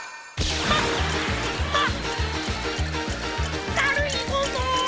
まままるいもの！